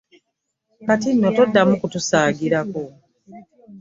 Kati nno toddamu kutusaagirako.